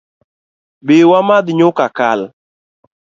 Bi wamadh nyuka kal